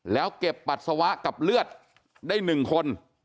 แล้วเก็บปัสสาวะกับเลือดได้๑คน